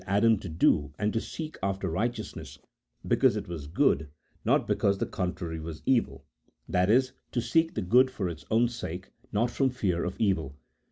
Adam to do and to seek after righteousness because it was good, not because the contrary was evil : that is, to seek the good for its own sake, not from fear of evil.